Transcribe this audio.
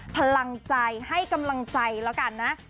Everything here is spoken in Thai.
พลังใจให้กำลังใจแล้วกันนะ